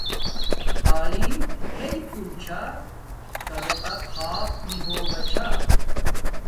تعلیم ھاݵ پھول چھا کبے تا خاپ نی ہوگا چھا